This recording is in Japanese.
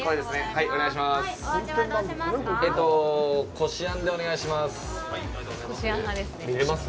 こしあんでお願いします。